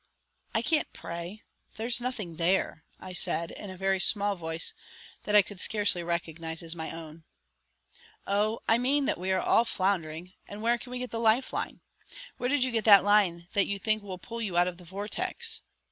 "I can't pray there's nothing there," I said in a very small voice that I could scarcely recognize as my own. "Oh, I mean that we are all floundering, and where can we get the lifeline? Where did you get the line that you think will pull you out of the vortex?"